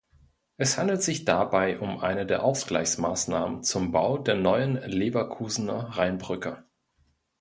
Es handelt sich dabei um eine der Ausgleichsmaßnahmen zum Bau der neuen Leverkusener Rheinbrücke.